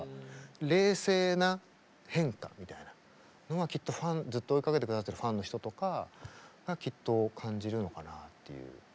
冷静な変化みたいなのはきっとずっと追いかけて下さってるファンの人とかがきっと感じるのかなっていう。